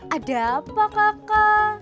ada apa kakak